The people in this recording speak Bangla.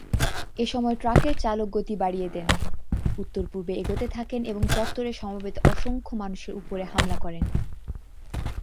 এ'সময় ট্রাকের চালক গতি বাড়িয়ে দেন, উত্তর-পূর্বে এগোতে থাকেন এবং চত্বরে সমবেত অসংখ্য মানুষের উপরে হামলা করেন।